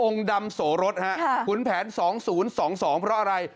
องค์ดำโสรศครับขุนแผน๒๐๒๒เพราะอะไร